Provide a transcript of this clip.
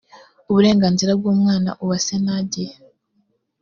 uburenganzira bw umwana uwase nadia